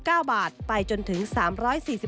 เป็นอย่างไรนั้นติดตามจากรายงานของคุณอัญชาฬีฟรีมั่วครับ